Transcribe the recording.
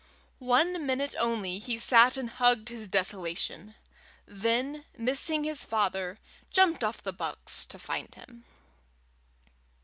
One minute only he sat and hugged his desolation then, missing his father, jumped off the box to find him.